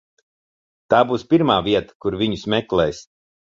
Tā būs pirmā vieta, kur viņus meklēs.